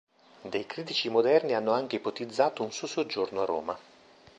Dei critici moderni hanno anche ipotizzato un suo soggiorno a Roma.